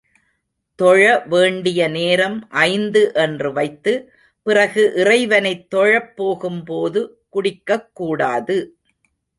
தொழ வேண்டிய நேரம் ஐந்து என்று வைத்து, பிறகு, இறைவனைத் தொழப் போகும் போது குடிக்கக் கூடாது.